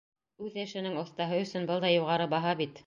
Үҙ эшенең оҫтаһы өсөн был да юғары баһа бит!